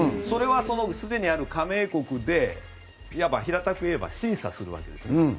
それはすでにある加盟国でいわば、平たく言えば審査するわけですね。